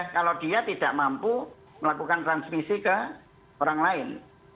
kalau dia tidak mampu melakukan transmisi ke orang lain